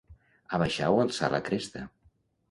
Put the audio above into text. Abaixar o alçar la cresta.